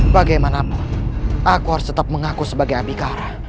bagaimanapun aku harus tetap mengaku sebagai abikara